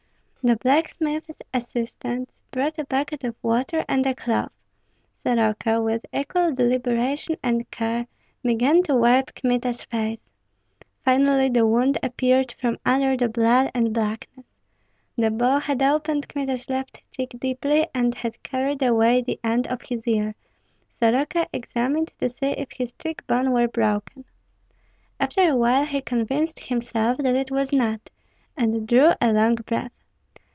The blacksmith's assistants brought a bucket of water and a cloth. Soroka, with equal deliberation and care, began to wipe Kmita's face. Finally the wound appeared from under the blood and blackness. The ball had opened Kmita's left cheek deeply, and had carried away the end of his ear. Soroka examined to see if his cheek bone were broken. After a while he convinced himself that it was not, and drew a long breath.